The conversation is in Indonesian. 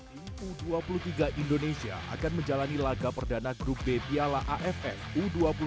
tim u dua puluh tiga indonesia akan menjalani laga perdana grup b piala aff u dua puluh tiga dua ribu dua puluh tiga